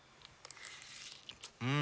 うん！